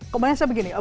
kemudian saya begini